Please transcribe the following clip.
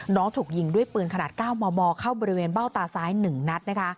น้องถูกยิงด้วยปืนขนาด๙มเข้าบริเวณเบ้าตาซ้าย๑นัท